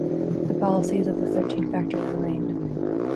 The policies of the Thirteen Factories remained.